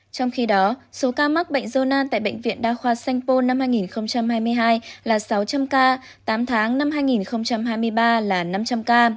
trong khi đó số ca mắc bệnh dôn tại bệnh viện đa khoa sanh pô năm hai nghìn hai mươi hai là sáu trăm linh ca tám tháng năm hai nghìn hai mươi ba là năm trăm linh ca